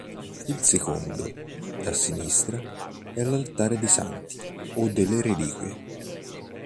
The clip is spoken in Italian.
Il secondo, da sinistra, è l'altare dei Santi o delle Reliquie.